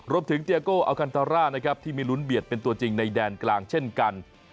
รบถึงเดียโกอัลคันตาร่าที่มีลุ้นเบียดเป็นตัวจริงในแดนกลางเช่นกัน